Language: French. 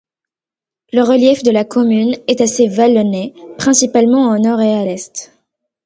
Le relief de la commune est assez vallonné, principalement au nord et à l'est.